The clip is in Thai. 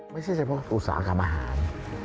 ไม่ใช่เฉพาะอุตสาหกรรมอาหาร